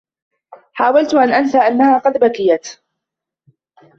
حاولت أن أنسى أنّها قد بكيت.